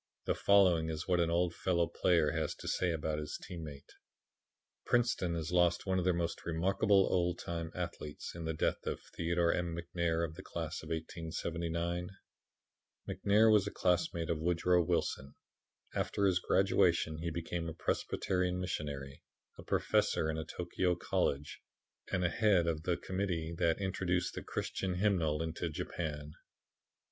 The following is what an old fellow player has to say about his team mate: "Princeton has lost one of her most remarkable old time athletes in the death of Theodore M. McNair of the class of 1879. "McNair was a classmate of Woodrow Wilson. After his graduation he became a Presbyterian missionary, a professor in a Tokio college and the head of the Committee that introduced the Christian hymnal into Japan.